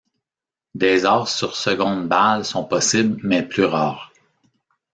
Des aces sur seconde balle sont possibles mais plus rares.